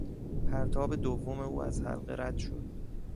پرتاب دوم او از حلقه رد شد.